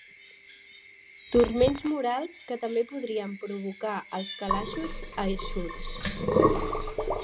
Turments morals que també podrien provocar els calaixos eixuts.